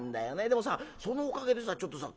でもさそのおかげでさちょっとさ